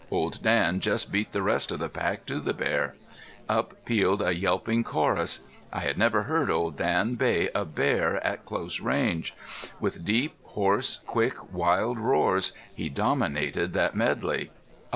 Old Dan just beat the rest of the pack to the bear. Up pealed a yelping chorus. I had never heard Old Dan bay a bear at close range. With deep, hoarse, quick, wild roars he dominated that medley.